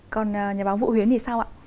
còn nhà báo vũ huyến thì sao ạ